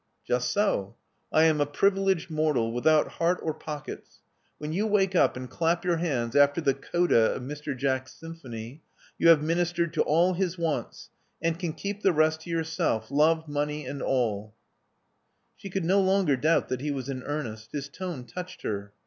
"Just so. I am a privileged mortal, without heart or pockets. When you wake up and clap your hands after the coda of Mr. Jack's symphony, you have ministered to all his wants, and can keep the rest to yourself, love, money, and alL" She could no longer doubt that he was in earnest: his tone touched her.